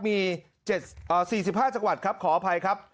มี๔๕จังหวัดครับขออภัยครับ